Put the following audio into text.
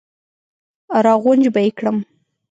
را غونج به یې کړم.